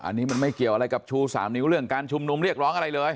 อันนี้มันไม่เกี่ยวอะไรกับชู๓นิ้วเรื่องการชุมนุมเรียกร้องอะไรเลย